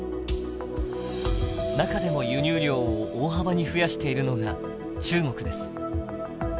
中でも輸入量を大幅に増やしているのが中国です。